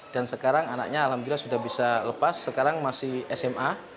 dan sekarang anaknya alhamdulillah sudah bisa lepas sekarang masih sma